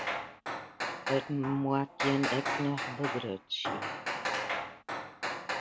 It moat jin ek noch begrutsje.